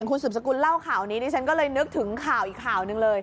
คุณสืบสกุลเล่าข่าวนี้ดิฉันก็เลยนึกถึงข่าวอีกข่าวหนึ่งเลย